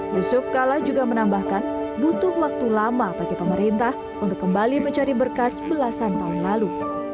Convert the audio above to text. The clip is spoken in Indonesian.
yusuf kala juga menambahkan butuh waktu lama bagi pemerintah untuk kembali mencari berkas belasan tahun lalu